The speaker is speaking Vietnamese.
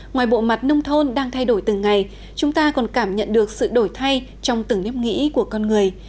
ngoài bộ mặt nông thôn đang thay đổi từng ngày chúng ta còn cảm nhận được sự đổi thay trong từng nếp nghĩ của con người